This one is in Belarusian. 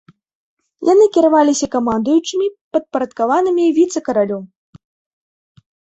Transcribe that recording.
Яны кіраваліся камандуючымі, падпарадкаванымі віцэ-каралю.